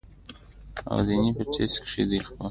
او د وینې پۀ ټېسټ کښې دې د خپل